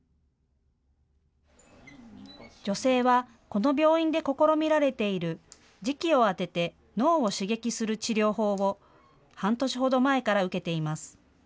女性はこの病院で試みられている磁気を当てて脳を刺激する治療法を半年ほど前から受けています。